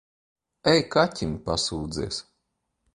Ej, kaķim pasūdzies.